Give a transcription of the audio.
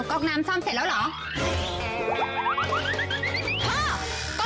แล้วก็กน้ำซ่อมเสร็จแล้วเหรอ